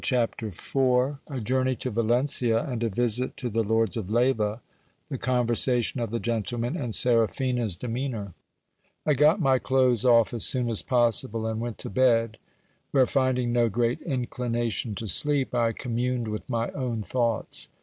Ch. IV. — A journey to Valencia, and a visit to the lords of Leyva. The convers ation of the gentlemen, and Seraf hinds demeanour. I got my clothes off as soon as possible, and went to bed, where, finding no great inclination to sleep, I communed with my own thoughts.